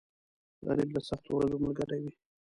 غریب د سختو ورځو ملګری وي